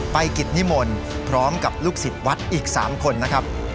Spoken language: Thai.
กิจนิมนต์พร้อมกับลูกศิษย์วัดอีก๓คนนะครับ